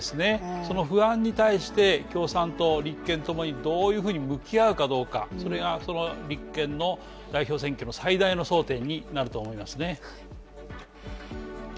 その不安に対して、共産党、立憲共にどういうふうに向き合うかどうかそれが代表選挙の最大の争点になると思いますね。